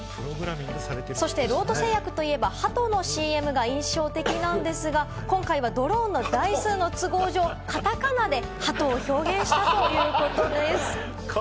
そしてロート製薬といえば、ハトのＣＭが印象的なんですが、今回はドローンの台数の都合上、カタカナで「ハト」を表現したということです。